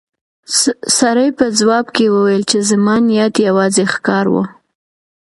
سړي په ځواب کې وویل چې زما نیت یوازې ښکار و.